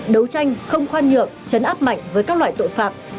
đấu tranh không khoan nhượng chấn áp mạnh với các loại tội phạm